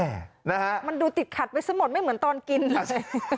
โอ้โหมันดูติดขัดไปซะหมดไม่เหมือนตอนกินเลย